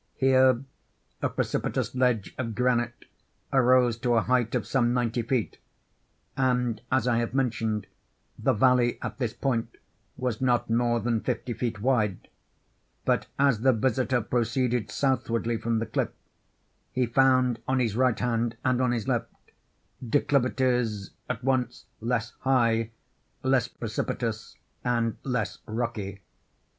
Here a precipitous ledge of granite arose to a height of some ninety feet; and, as I have mentioned, the valley at this point was not more than fifty feet wide; but as the visitor proceeded southwardly from the cliff, he found on his right hand and on his left, declivities at once less high, less precipitous, and less rocky.